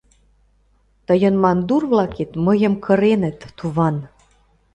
— Тыйын мандур-влакет мыйым кыреныт, туван!